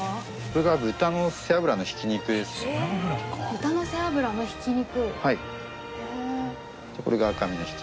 豚の背脂のひき肉。